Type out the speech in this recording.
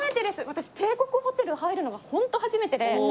私帝国ホテル入るのがホント初めてで。